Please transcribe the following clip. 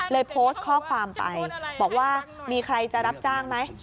โพสต์ข้อความไปบอกว่ามีใครจะรับจ้างไหม